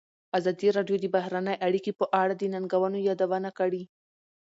ازادي راډیو د بهرنۍ اړیکې په اړه د ننګونو یادونه کړې.